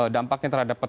dampaknya terlalu banyak